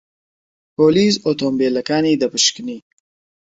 پۆلیس ئۆتۆمۆبیلەکانی دەپشکنی.